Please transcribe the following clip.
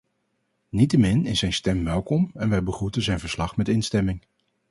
Niettemin is zijn stem welkom en wij begroeten zijn verslag met instemming.